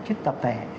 trước tập thể